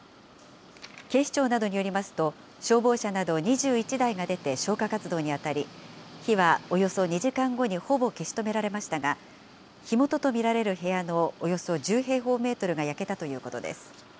警視庁などによりますと、消防車など２１台が出て消火活動に当たり、火はおよそ２時間後にほぼ消し止められましたが、火元と見られる部屋のおよそ１０平方メートルが焼けたということです。